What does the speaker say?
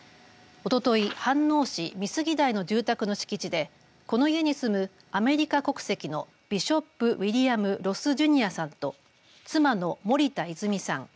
おととい飯能市美杉台の住宅の敷地でこの家に住むアメリカ国籍のビショップ・ウィリアム・ロス・ジュニアさんと妻の森田泉さん